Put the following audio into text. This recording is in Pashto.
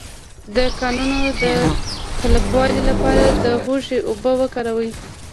د نوکانو د کلکوالي لپاره د هوږې اوبه وکاروئ